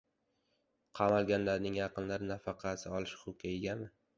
Qamalganlarning yaqinlari nafaqasini olish huquqiga egami?